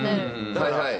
はいはい。